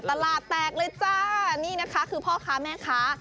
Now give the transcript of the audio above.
ตลาดแตกเลยจ้านี่นะคะคือพ่อค้าแม่ค้า